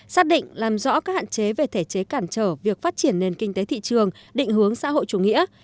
xác định làm rõ các hạn chế về thể chế cản trở việc phát triển nền kinh tế thị trường định hướng xã hội chủ nghĩa